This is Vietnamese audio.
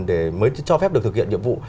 để mới cho phép được thực hiện nhiệm vụ